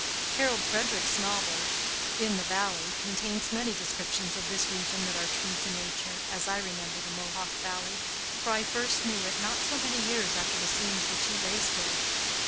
'" Harold Frederic's novel, "In the Valley," contains many descriptions of this region that are true to nature, as I remember the Mohawk Valley, for I first knew it not so many years after the scenes which he lays there.